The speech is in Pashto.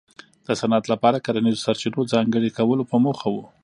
د صنعت لپاره کرنیزو سرچینو ځانګړي کولو په موخه و.